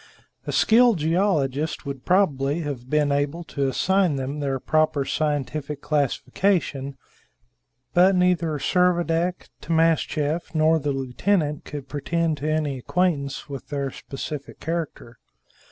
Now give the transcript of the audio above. A skilled geologist would probably have been able to assign them their proper scientific classification, but neither Servadac, Timascheff, nor the lieutenant could pretend to any acquaintance with their specific character.